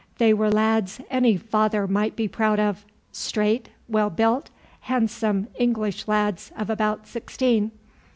They were lads any father might be proud of, straight, well built, handsome English lads of about sixteen.